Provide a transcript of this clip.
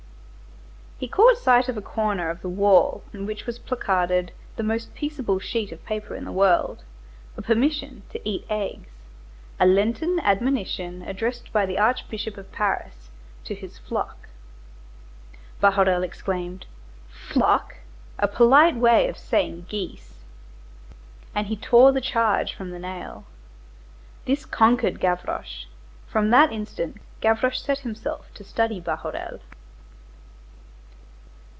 He caught sight of a corner of the wall on which was placarded the most peaceable sheet of paper in the world, a permission to eat eggs, a Lenten admonition addressed by the Archbishop of Paris to his "flock." Bahorel exclaimed:— "'Flock'; a polite way of saying geese." And he tore the charge from the nail. This conquered Gavroche. From that instant Gavroche set himself to study Bahorel.